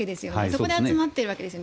そこで集まっているわけです。